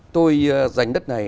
tôi dành đất này